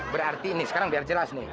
berarti ini sekarang biar jelas nih